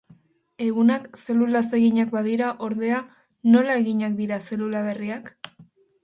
Ehunak zelulaz eginak badira, ordea, nola eginak dira zelula berriak?